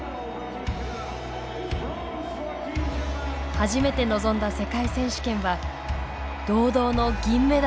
初めて臨んだ世界選手権は堂々の銀メダル。